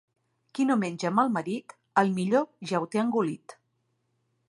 Qui no menja amb el marit, el millor ja ho té engolit.